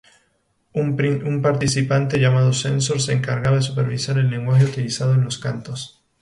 Un participante llamado "censor" se encargaba de supervisar el lenguaje utilizado en los cantos.